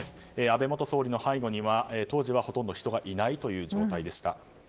安倍元総理の背後には当時はほとんど人がいない状態でした。